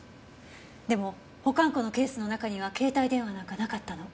でも保管庫のケースの中には携帯電話なんかなかったの。